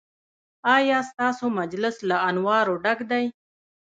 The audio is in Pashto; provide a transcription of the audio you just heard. ایا ستاسو مجلس له انوارو ډک دی؟